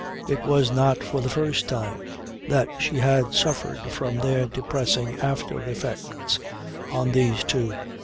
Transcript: It was not for the first time that she had suffered from their depressing after effects on these two.